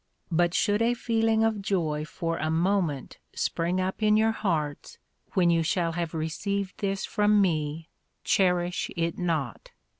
But should a feeling of joy for a moment spring up in your hearts when you shall have received this from, me, cherish it not.